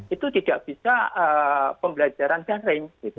itu tidak bisa pembelajaran daring